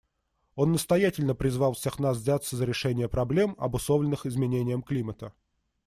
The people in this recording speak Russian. Он настоятельно призвал всех нас взяться за решение проблем, обусловленных изменением климата.